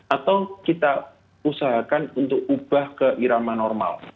atau kita usahakan untuk ubah ke irama normal